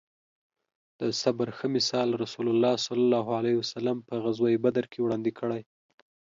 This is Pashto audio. د صبر ښه مثال رسول الله ص په غزوه بدر کې وړاندې کړی